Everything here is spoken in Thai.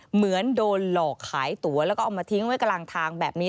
เหมือนโดนหลอกขายตั๋วแล้วก็เอามาทิ้งไว้กลางทางแบบนี้